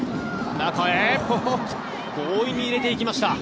中へ強引に入れていきました。